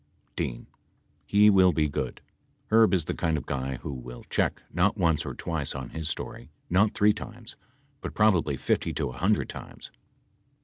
D. He will be good. Herb is the kind of guy who will check, not once nor twice, on his story — not three times — but probably fifty to a hundred times.